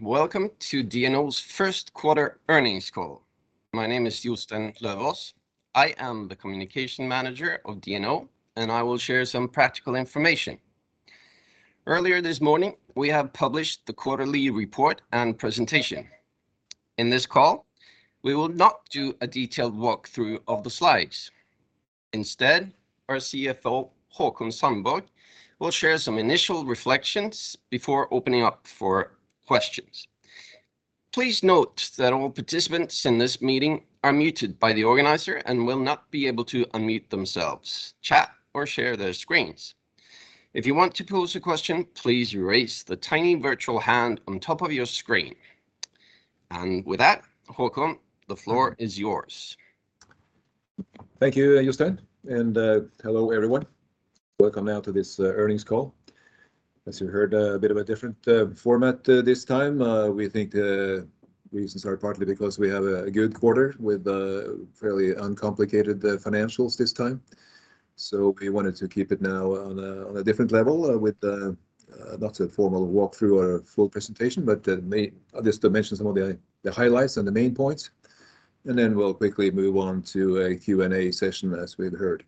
Welcome to DNO's first quarter earnings call. My name is Jostein Løvås. I am the Communication Manager of DNO, and I will share some practical information. Earlier this morning, we have published the quarterly report and presentation. In this call, we will not do a detailed walkthrough of the slides. Instead, our CFO, Haakon Sandborg, will share some initial reflections before opening up for questions. Please note that all participants in this meeting are muted by the organizer and will not be able to unmute themselves, chat, or share their screens. If you want to pose a question, please raise the tiny virtual hand on top of your screen. With that, Haakon, the floor is yours. Thank you, Jostein. Hello, everyone. Welcome now to this earnings call. As you heard, a bit of a different format this time. We think the reasons are partly because we have a good quarter with fairly uncomplicated financials this time. We wanted to keep it now on a different level with not a formal walkthrough or a full presentation, but just to mention some of the highlights and the main points. We'll quickly move on to a Q&A session, as we've heard.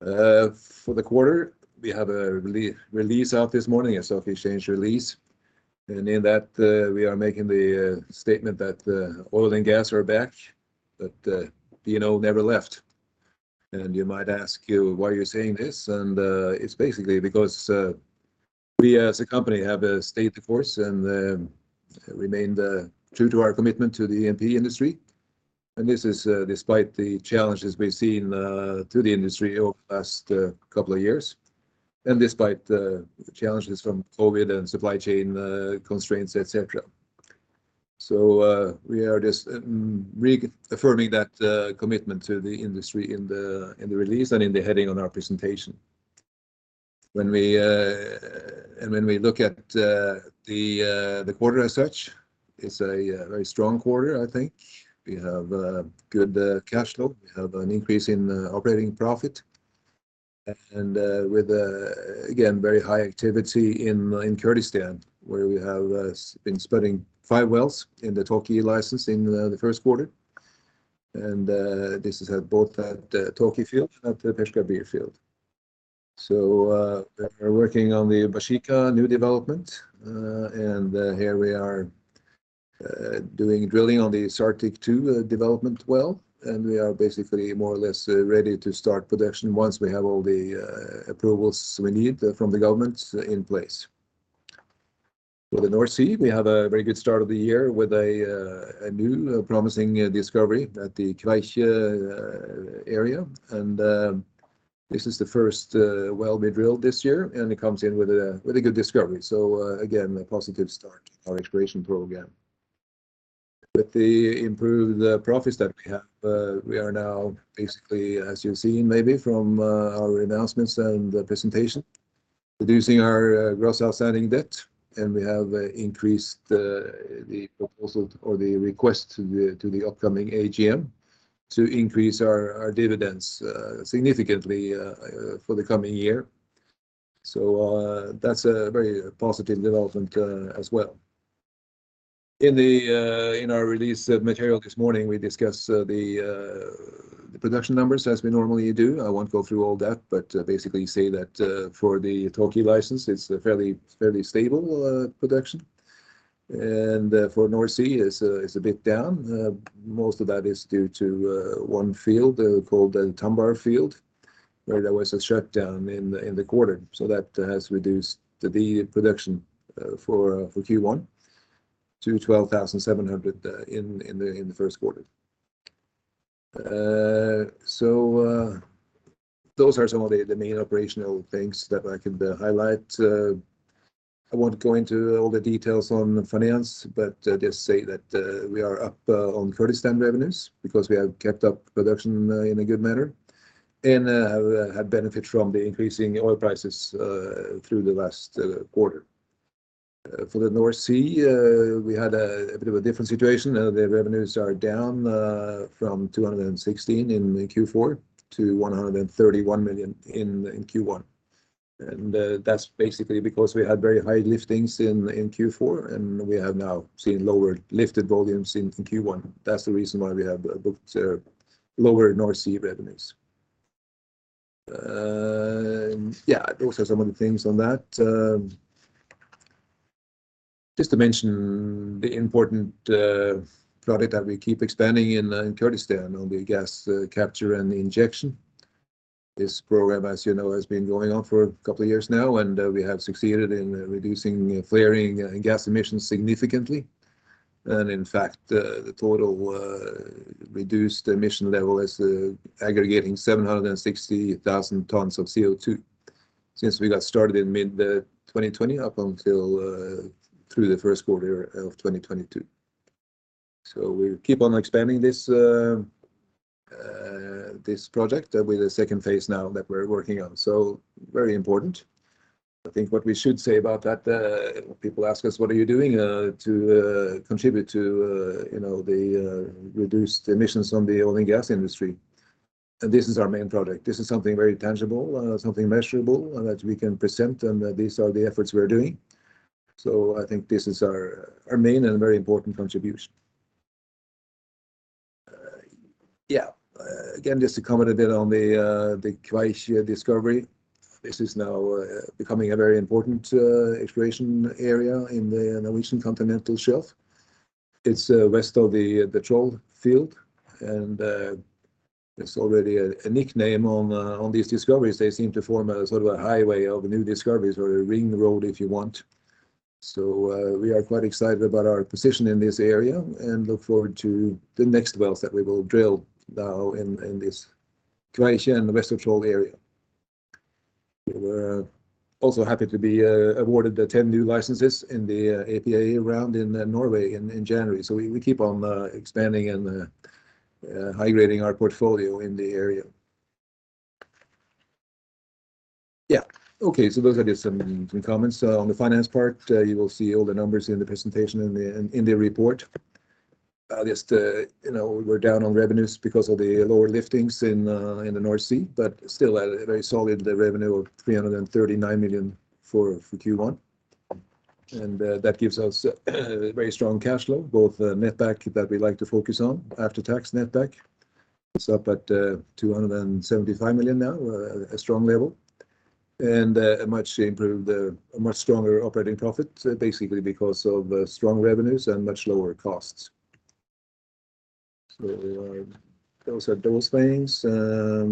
For the quarter, we have a release out this morning, a stock exchange release. In that, we are making the statement that oil and gas are back, but you know, never left. You might ask you, "Why you're saying this?" It's basically because we as a company have stayed the course and remained true to our commitment to the E&P industry. This is despite the challenges we've seen to the industry over the last couple of years, and despite the challenges from COVID and supply chain constraints, etc. We are just re-affirming that commitment to the industry in the release and in the heading on our presentation. When we look at the quarter as such, it's a very strong quarter, I think. We have good cash flow. We have an increase in operating profit. With again very high activity in Kurdistan, where we have been spudding five wells in the Tawke license in the first quarter. This is both at Tawke field, at the Peshkabir field. They are working on the Baeshiqa new development. Here we are doing drilling on the Zartik-2 development well, and we are basically more or less ready to start production once we have all the approvals we need from the government in place. For the North Sea, we have a very good start of the year with a new promising discovery at the Kveikje area. This is the first well we drilled this year, and it comes in with a good discovery. Again, a positive start to our exploration program. With the improved profits that we have, we are now basically, as you've seen maybe from our announcements and the presentation, reducing our gross outstanding debt, and we have increased the proposal or the request to the upcoming AGM to increase our dividends significantly for the coming year. That's a very positive development, as well. In our release material this morning, we discussed the production numbers as we normally do. I won't go through all that, but basically say that for the Tawke license, it's a fairly stable production. For North Sea, it's a bit down. Most of that is due to one field called the Tambar field, where there was a shutdown in the quarter. That has reduced the production for Q1 to 12,700 in the first quarter. Those are some of the main operational things that I can highlight. I won't go into all the details on finance, but just say that we are up on Kurdistan revenues because we have kept up production in a good manner and have benefited from the increasing oil prices through the last quarter. For the North Sea, we had a bit of a different situation. The revenues are down from 216 million in Q4 to 131 million in Q1. That's basically because we had very high liftings in Q4, and we have now seen lower lifted volumes in Q1. That's the reason why we have booked lower North Sea revenues. Yeah, those are some of the things on that. Just to mention the important product that we keep expanding in Kurdistan on the gas capture and injection. This program, as you know, has been going on for a couple of years now, and we have succeeded in reducing flaring gas emissions significantly. In fact, the total reduced emission level is aggregating 760,000 tons of CO2 since we got started in mid 2020, up until through the first quarter of 2022. We keep on expanding this project with a second phase now that we're working on. Very important. I think what we should say about that, when people ask us, "What are you doing to contribute to, you know, the reduced emissions on the oil and gas industry?" This is our main product. This is something very tangible, something measurable, and that we can present, and these are the efforts we are doing. I think this is our main and very important contribution. Yeah. Again, just to comment a bit on the Kveikje discovery. This is now becoming a very important exploration area in the Norwegian continental shelf. It's west of the Troll field. There's already a nickname on these discoveries. They seem to form a sort of a highway of new discoveries or a ring road, if you want. We are quite excited about our position in this area and look forward to the next wells that we will drill now in this Kveikje and the west of Troll area. We're also happy to be awarded the 10 new licenses in the APA round in Norway in January. We keep on expanding and high-grading our portfolio in the area. Yeah. Okay. Those are just some comments. On the finance part, you will see all the numbers in the presentation in the report. Just, you know, we're down on revenues because of the lower liftings in the North Sea, but still a very solid revenue of 339 million for Q1. That gives us a very strong cash flow, both net back that we like to focus on, after tax net back. It's up at 275 million now, a strong level. A much stronger operating profit, basically because of strong revenues and much lower costs. Those are those things. As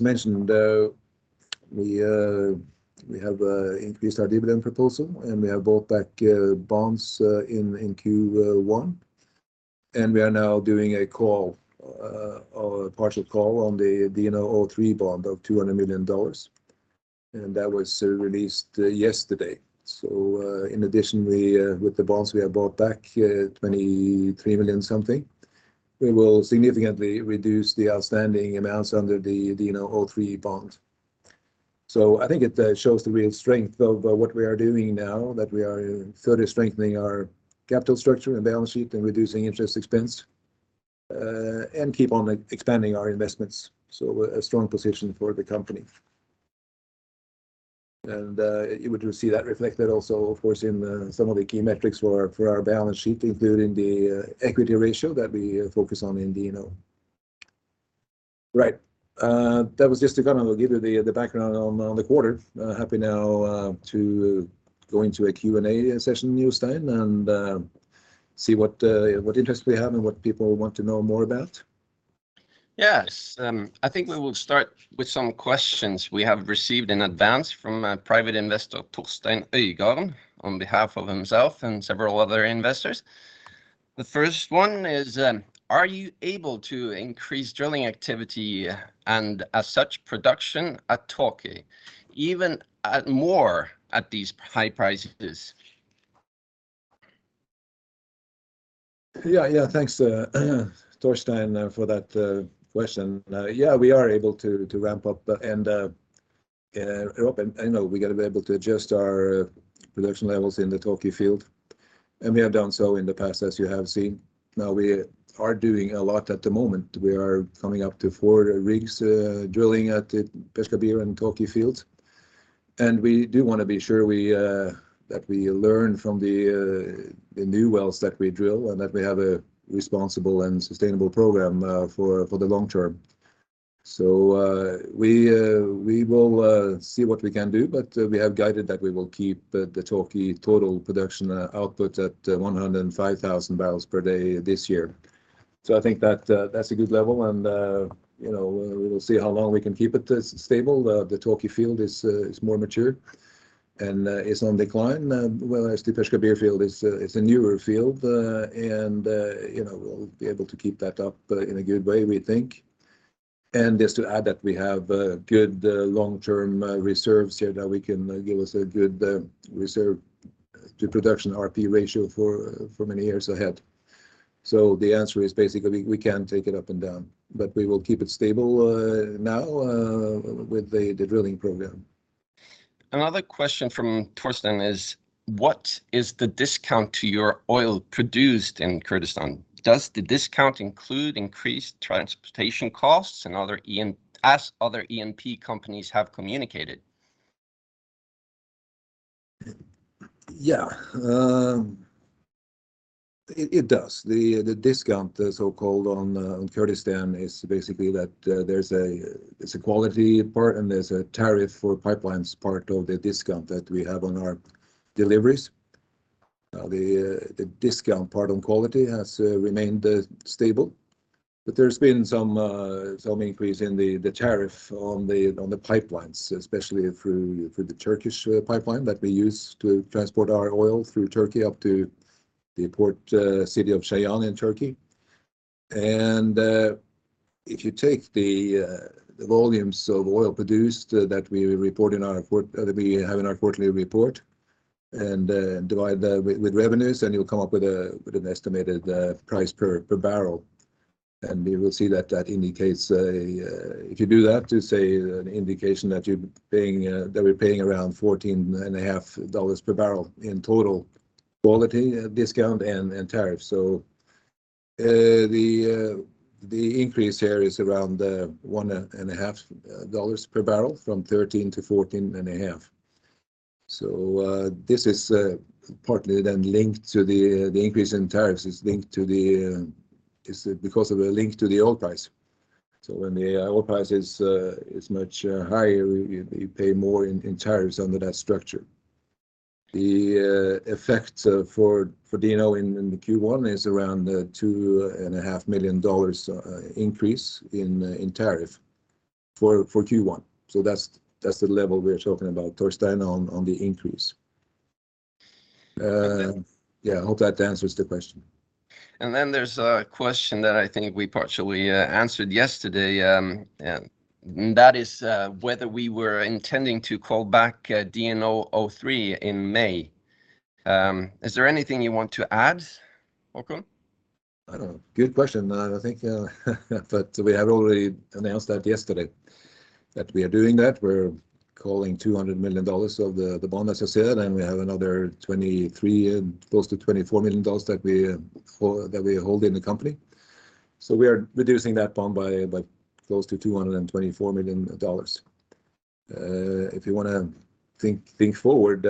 mentioned, we have increased our dividend proposal, and we have bought back bonds in Q1. We are now doing a call, or a partial call on the DNO three bond of $200 million, and that was released yesterday. In addition, we with the bonds we have bought back, $23 million something, we will significantly reduce the outstanding amounts under the DNO three bond. I think it shows the real strength of what we are doing now, that we are further strengthening our capital structure and balance sheet and reducing interest expense, and keep on expanding our investments, so a strong position for the company. You would see that reflected also, of course, in some of the key metrics for our balance sheet, including the equity ratio that we focus on in DNO. Right. That was just to kind of give you the background on the quarter. Happy now to go into a Q&A session, Jostein, and see what interest we have and what people want to know more about. Yes. I think we will start with some questions we have received in advance from a private investor, Torstein Hagen, on behalf of himself and several other investors. The first one is, are you able to increase drilling activity and as such production at Tawke, even more at these high prices? Yeah, yeah. Thanks, Torstein, for that question. Yeah, we are able to ramp up. You know, we gotta be able to adjust our production levels in the Tawke field, and we have done so in the past, as you have seen. Now, we are doing a lot at the moment. We are coming up to four rigs drilling at the Peshkabir and Tawke fields, and we do wanna be sure that we learn from the new wells that we drill and that we have a responsible and sustainable program for the long-term. We will see what we can do, but we have guided that we will keep the Tawke total production output at 105,000 barrels per day this year. I think that's a good level, and you know, we will see how long we can keep it this stable. The Tawke field is more mature and is on decline, whereas the Peshkabir field is a newer field. You know, we'll be able to keep that up in a good way, we think. Just to add that we have good long-term reserves here that we can give us a good R/P ratio for many years ahead. The answer is basically we can take it up and down. We will keep it stable now with the drilling program. Another question from Torstein is, what is the discount to your oil produced in Kurdistan? Does the discount include increased transportation costs as other E&P companies have communicated? Yeah. It does. The discount, the so-called one on Kurdistan is basically that there's a quality part and there's a tariff for pipelines part of the discount that we have on our deliveries. The discount part on quality has remained stable, but there's been some increase in the tariff on the pipelines, especially through the Turkish pipeline that we use to transport our oil through Turkey up to the port city of Ceyhan in Turkey. If you take the volumes of oil produced that we report in our quarterly report and divide that with revenues, you'll come up with an estimated price per barrel. We will see that that indicates a If you do that, to say an indication that you're paying that we're paying around $14.5 per barrel in total quality discount and tariff. The increase here is around 1.5 dollars per barrel from 13 to 14.5. This is partly then linked to the increase in tariffs. It's linked to the. It's because of a link to the oil price. When the oil price is much higher, you pay more in tariffs under that structure. The effect for DNO in the Q1 is around $2.5 million increase in tariff for Q1. That's the level we are talking about, Torstein, on the increase. Yeah, I hope that answers the question. Then there's a question that I think we partially answered yesterday, and that is, whether we were intending to call back DNO03 in May. Is there anything you want to add, Haakon? I don't know. Good question. I think that we had already announced that yesterday, that we are doing that. We're calling $200 million of the bond associated, and we have another $23 million and close to $24 million that we hold in the company. We are reducing that bond by close to $224 million. If you wanna think forward,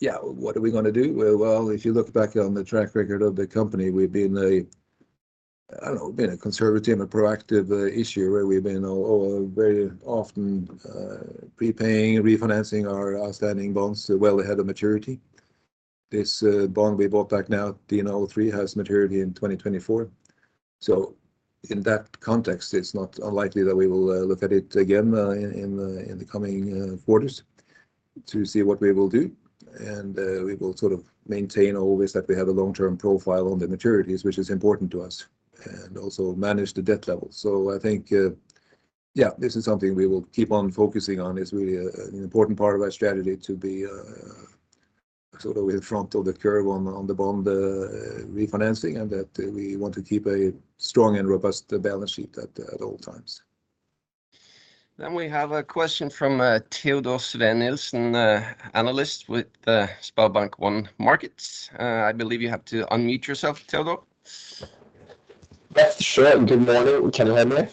yeah, what are we gonna do? Well, if you look back on the track record of the company, we've been a conservative and proactive issuer, where we've been very often prepaying, refinancing our outstanding bonds well ahead of maturity. This bond we bought back now, DNO three, has maturity in 2024. In that context, it's not unlikely that we will look at it again in the coming quarters to see what we will do. We will sort of maintain always that we have a long-term profile on the maturities, which is important to us, and also manage the debt level. I think yeah, this is something we will keep on focusing on. It's really an important part of our strategy to be sort of in front of the curve on the bond refinancing and that we want to keep a strong and robust balance sheet at all times. We have a question from Teodor Sveen-Nilsen, an analyst with SpareBank 1 Markets. I believe you have to unmute yourself, Teodor. Yes, sure. Good morning. Can you hear me?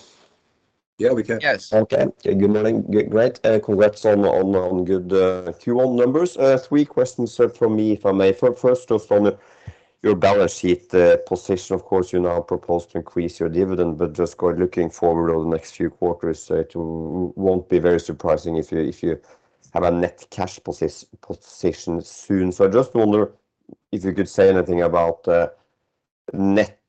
Yeah, we can. Yes. Okay. Good morning. Great. Congrats on good Q1 numbers. Three questions from me, if I may. First off, from your balance sheet position, of course, you now propose to increase your dividend, but just looking forward over the next few quarters, it won't be very surprising if you have a net cash position soon. So I just wonder if you could say anything about net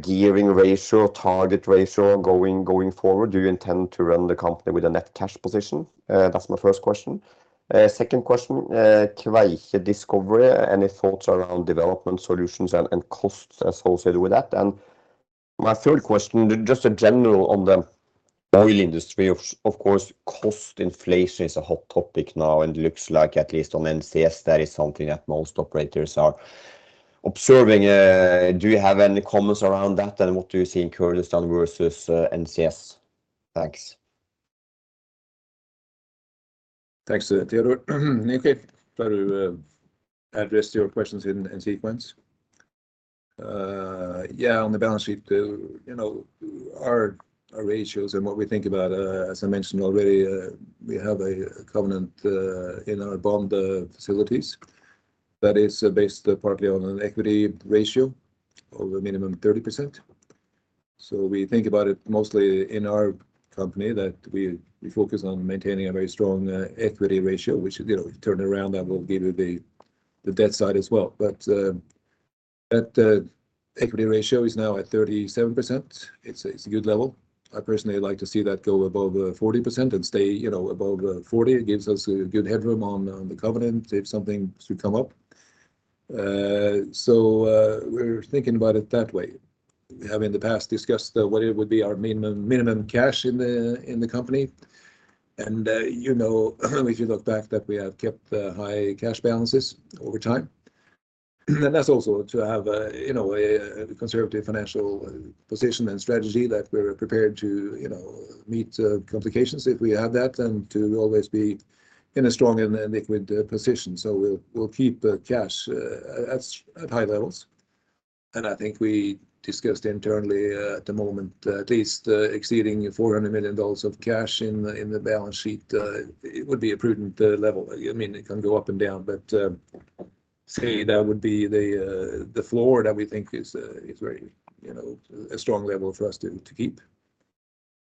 gearing ratio, target ratio going forward. Do you intend to run the company with a net cash position? That's my first question. Second question, Kveikje discovery, any thoughts around development solutions and costs associated with that? My third question, just a general on the oil industry, of course, cost inflation is a hot topic now and looks like at least on NCS, that is something that most operators are observing. Do you have any comments around that, and what do you see in Kurdistan versus, NCS? Thanks. Thanks, Teodor. Okay, try to address your questions in sequence. Yeah, on the balance sheet, you know, our ratios and what we think about, as I mentioned already, we have a covenant in our bond facilities that is based partly on an equity ratio of a minimum 30%. We think about it mostly in our company that we focus on maintaining a very strong equity ratio, which, you know, if you turn it around, that will give you the debt side as well. But that equity ratio is now at 37%. It's a good level. I personally like to see that go above 40% and stay, you know, above 40. It gives us a good headroom on the covenant if something should come up. We're thinking about it that way. We have in the past discussed what it would be our minimum cash in the company and, you know, if you look back that we have kept high cash balances over time. That's also to have, you know, a conservative financial position and strategy that we're prepared to, you know, meet complications if we have that and to always be in a strong and liquid position. We'll keep cash at high levels. I think we discussed internally at the moment, at least, exceeding $400 million of cash in the balance sheet, it would be a prudent level. I mean, it can go up and down, but say that would be the floor that we think is very, you know, a strong level for us to keep.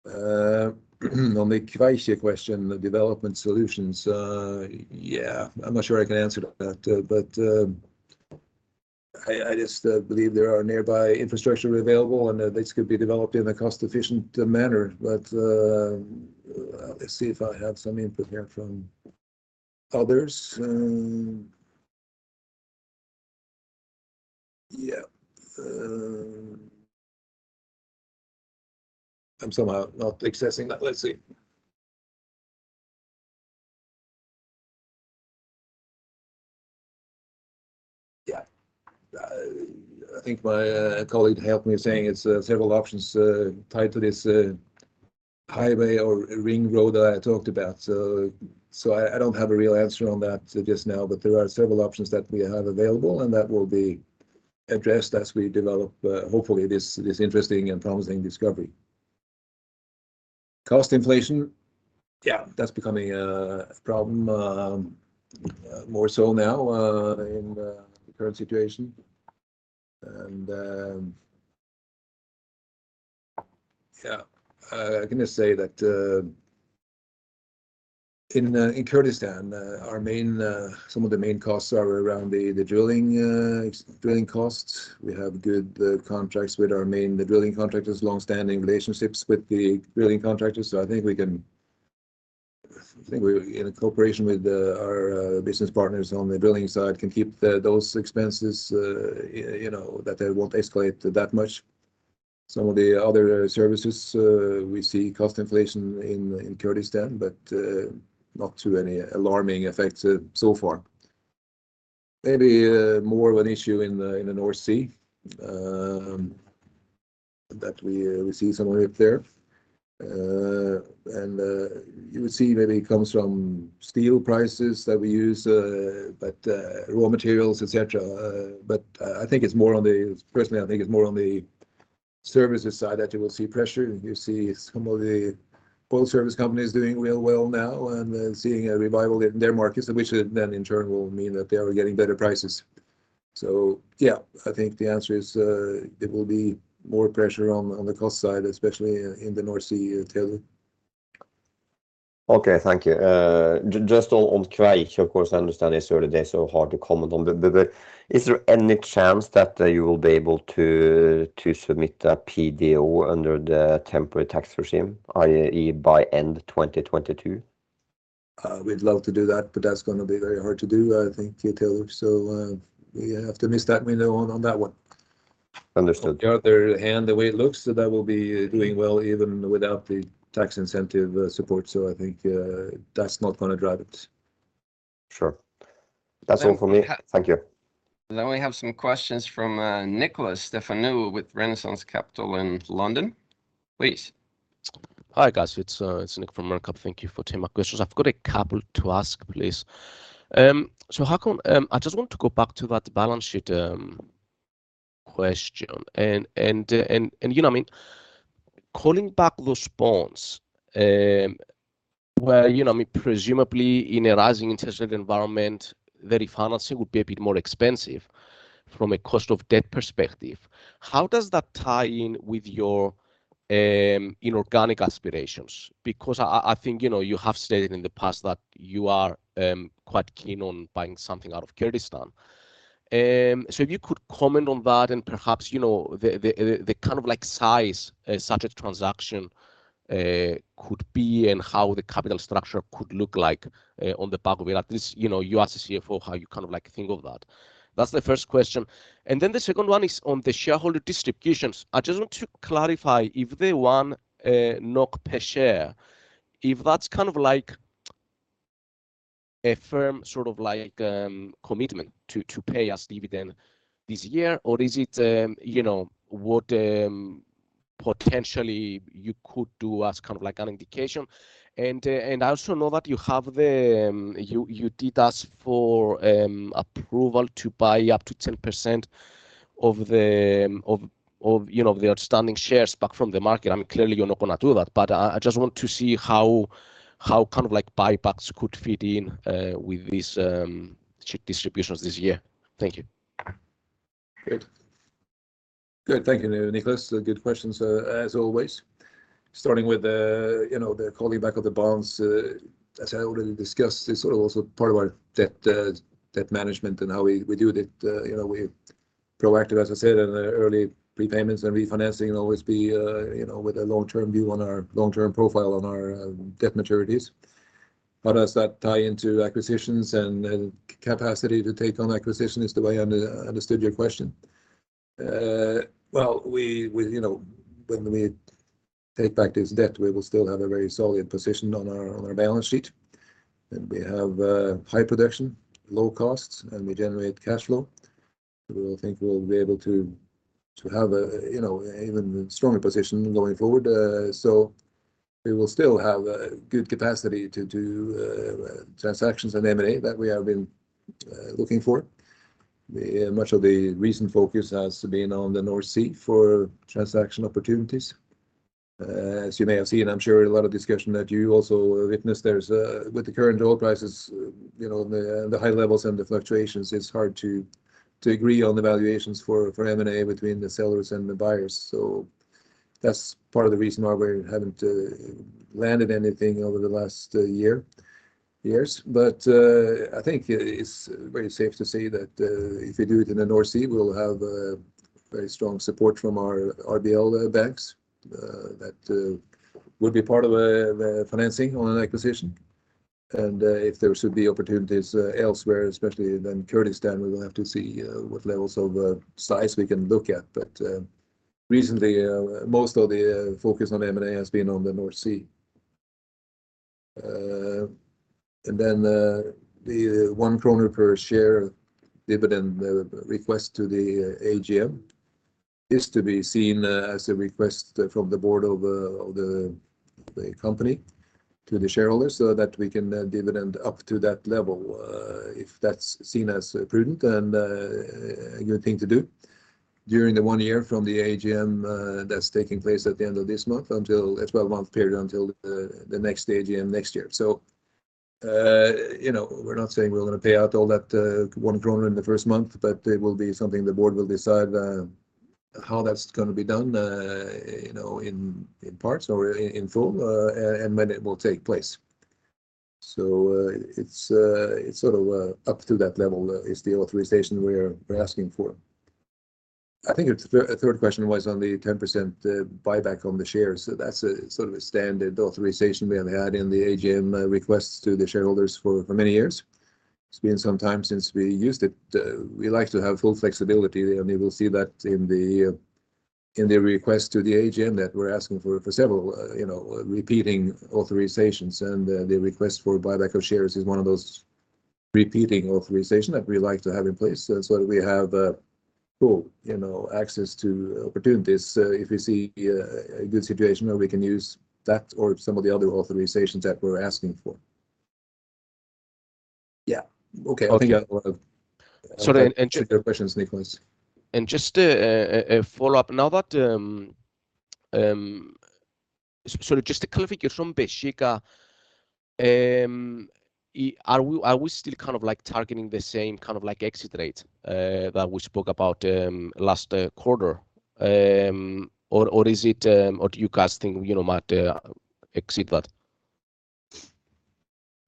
On the Kveikje question, the development solutions, I'm not sure I can answer that, but I just believe there are nearby infrastructure available and this could be developed in a cost-efficient manner. Let's see if I have some input here from others. I'm somehow not accessing that. Let's see. I think my colleague helped me saying it's several options tied to this highway or ring road I talked about. I don't have a real answer on that just now, but there are several options that we have available, and that will be addressed as we develop, hopefully this interesting and promising discovery. Cost inflation, yeah, that's becoming a problem, more so now, in the current situation. I can just say that, in Kurdistan, our main, some of the main costs are around the drilling costs. We have good contracts with the drilling contractors, long-standing relationships with the drilling contractors. I think we're in cooperation with our business partners on the drilling side can keep those expenses, you know, that they won't escalate that much. Some of the other services, we see cost inflation in Kurdistan, but not to any alarming effects so far. Maybe more of an issue in the North Sea that we see some way up there. You would see maybe it comes from steel prices that we use, but raw materials, et cetera. I think it's more on the personally, I think it's more on the services side that you will see pressure. You see some of the oil service companies doing real well now and seeing a revival in their markets, which then in turn will mean that they are getting better prices. Yeah, I think the answer is there will be more pressure on the cost side, especially in the North Sea, Kjetil. Just on Kveikje, of course, I understand it's early days, so hard to comment on. Is there any chance that you will be able to submit a PDO under the temporary tax regime, i.e. by end 2022? We'd love to do that, but that's gonna be very hard to do, I think, Kjetil. We have to miss that window on that one. Understood. On the other hand, the way it looks, that will be doing well even without the tax incentive support. I think, that's not gonna drive it. Sure. That's all from me. Thank you. We have some questions from Nikolas Stefanou with Renaissance Capital in London. Please. Hi, guys. It's Nick from RenCap. Thank you for taking my questions. I've got a couple to ask, please. Haakon, I just want to go back to that balance sheet question. You know, I mean, calling back those bonds, where, you know, I mean, presumably in a rising interest rate environment, the refinancing would be a bit more expensive from a cost of debt perspective. How does that tie in with your inorganic aspirations? Because I think, you know, you have stated in the past that you are quite keen on buying something out of Kurdistan. So if you could comment on that and perhaps, you know, the kind of like size such a transaction could be and how the capital structure could look like on the back of it. Like this, you know, you as the CFO, how you kind of like think of that. That's the first question. Then the second one is on the shareholder distributions. I just want to clarify if the NOK one per share, if that's kind of like a firm sort of like commitment to pay us dividend this year, or is it, you know, what potentially you could do as kind of like an indication? I also know that you did ask for approval to buy up to 10% of the, you know, the outstanding shares back from the market. I mean, clearly you're not gonna do that, but I just want to see how kind of like buybacks could fit in with these share distributions this year. Thank you. Great. Good. Thank you, Nikolas. Good questions, as always. Starting with the calling back of the bonds, as I already discussed, it's also part of our debt management and how we do that. You know, we're proactive, as I said, in the early prepayments and refinancing and always be with a long-term view on our long-term profile on our debt maturities. How does that tie into acquisitions and capacity to take on acquisition is the way I understood your question. Well, we, you know, when we take back this debt, we will still have a very solid position on our balance sheet, and we have high production, low costs, and we generate cash flow. We will think we'll be able to have a even stronger position going forward. We will still have a good capacity to do transactions and M&A that we have been looking for. Much of the recent focus has been on the North Sea for transaction opportunities, as you may have seen, I'm sure, a lot of discussion that you also witnessed. With the current oil prices, you know, the high levels and the fluctuations, it's hard to agree on the valuations for M&A between the sellers and the buyers. That's part of the reason why we haven't landed anything over the last years. I think it's very safe to say that if we do it in the North Sea, we'll have a very strong support from our RBL banks that would be part of the financing on an acquisition. If there should be opportunities elsewhere, especially then Kurdistan, we will have to see what levels of size we can look at. Recently, most of the focus on M&A has been on the North Sea. The 1 kroner per share dividend, the request to the AGM is to be seen as a request from the board of the company to the shareholders so that we can dividend up to that level if that's seen as prudent and a good thing to do during the one year from the AGM that's taking place at the end of this month until a 12-month period until the next AGM next year. You know, we're not saying we're gonna pay out all that 1 kroner in the first month, but it will be something the board will decide how that's gonna be done, you know, in parts or in full, and when it will take place. It's sort of up to that level is the authorization we're asking for. I think your third question was on the 10% buyback on the shares. That's a sort of a standard authorization we have had in the AGM requests to the shareholders for many years. It's been some time since we used it. We like to have full flexibility, and you will see that in the request to the AGM that we're asking for for several, you know, repeating authorizations. The request for buyback of shares is one of those repeating authorization that we like to have in place. That we have full, you know, access to opportunities, if we see a good situation where we can use that or some of the other authorizations that we're asking for. Yeah. Okay. I think I... Sorry. Answered your questions, Nikolas. Just a follow-up. Sorry, just to clarify, from Baeshiqa, are we still kind of like targeting the same kind of like exit rate that we spoke about last quarter? Or do you guys think you might exceed that?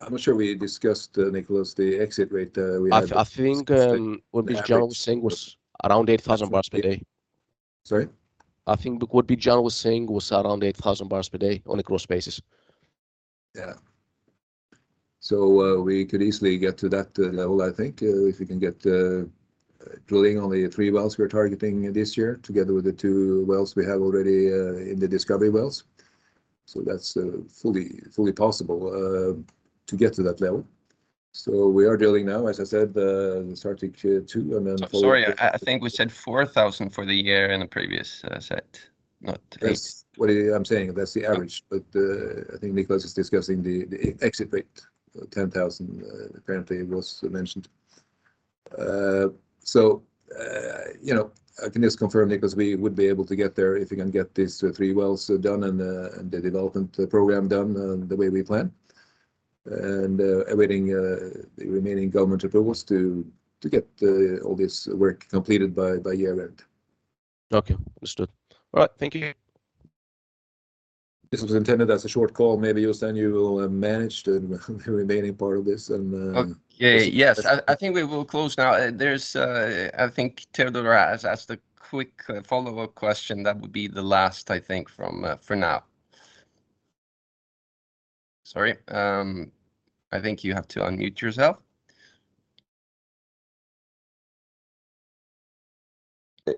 I'm not sure we discussed, Nikolas, the exit rate. I think what Baeshiga was saying was around 8,000 barrels per day. Sorry? I think what Baeshiqa was saying was around 8,000 barrels per day on a gross basis. Yeah. We could easily get to that level, I think, if we can get drilling on the three wells we're targeting this year, together with the two wells we have already in the discovery wells. That's fully possible to get to that level. We are drilling now, as I said, Zartik-2, and then. Sorry, I think we said 4,000 for the year in the previous set, not 8,000. That's what I'm saying. That's the average. I think Nikolas is discussing the exit rate. 10,000 apparently was mentioned. You know, I can just confirm, Nikolas, we would be able to get there if we can get these three wells done and the development program done the way we plan. Awaiting the remaining government approvals to get all this work completed by year end. Okay. Understood. All right. Thank you. This was intended as a short call. Maybe, Jostein, you will manage the remaining part of this and Okay. Yes. I think we will close now. There's, I think, Teodor has the quick follow-up question. That would be the last, I think, from for now. Sorry. I think you have to unmute yourself.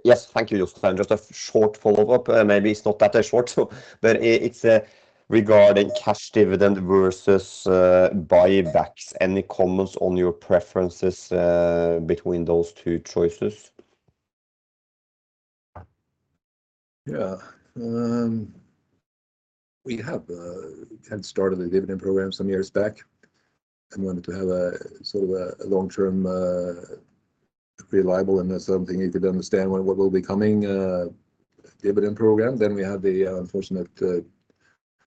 Yes. Thank you, Jostein. Just a short follow-up. Maybe it's not that short, but it's regarding cash dividend versus buybacks. Any comments on your preferences between those two choices? Yeah. We have kind of started a dividend program some years back and wanted to have a sort of a long-term reliable, and that's something you could understand when what will be coming dividend program. We had the unfortunate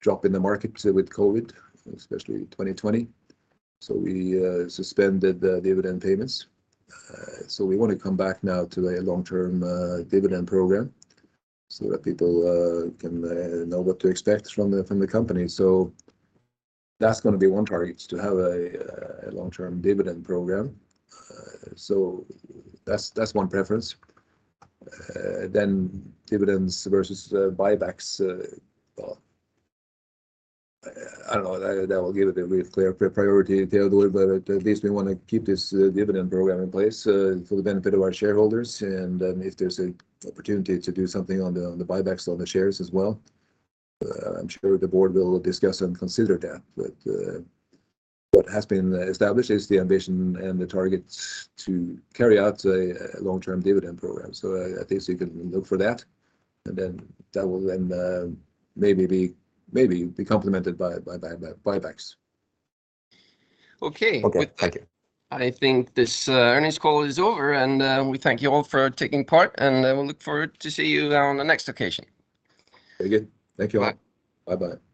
drop in the market with COVID, especially 2020. We suspended the dividend payments. We wanna come back now to a long-term dividend program so that people can know what to expect from the company. That's gonna be one target is to have a long-term dividend program. That's one preference. Dividends versus buybacks, well, I don't know that will give it a real clear priority, Teodor, but at least we wanna keep this dividend program in place for the benefit of our shareholders. If there's an opportunity to do something on the buybacks on the shares as well, I'm sure the board will discuss and consider that. What has been established is the ambition and the target to carry out a long-term dividend program. At least you can look for that, and then that will then maybe be complemented by buybacks. Okay. Good. Okay. Thank you. I think this, earnings call is over, and, we thank you all for taking part, and I will look forward to see you on the next occasion. Very good. Thank you all. Bye. Bye-bye.